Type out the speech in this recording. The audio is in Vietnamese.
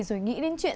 rồi nghĩ đến chuyện